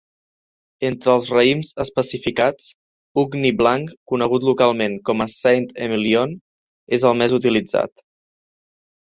Entre els raïms especificats, Ugni blanc, conegut localment com a Saint-Emilion, és el més utilitzat.